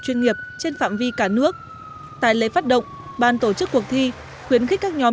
chuyên nghiệp trên phạm vi cả nước tại lễ phát động ban tổ chức cuộc thi khuyến khích các nhóm